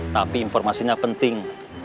tapi informasinya penting